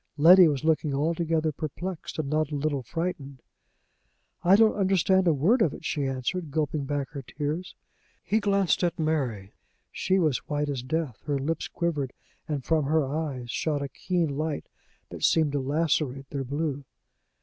Letty was looking altogether perplexed, and not a little frightened. "I don't understand a word of it," she answered, gulping back her tears. He glanced at Mary. She was white as death, her lips quivered, and from her eyes shot a keen light that seemed to lacerate their blue.